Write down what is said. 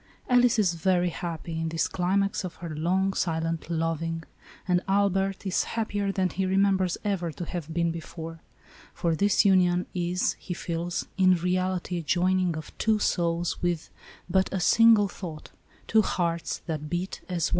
Alice is very happy in this climax of her long, silent loving, and Albert is happier than he remembers ever to have been before, for this union is, he feels, in reality a joining of "two souls with but a single thought, two hearts that beat as one."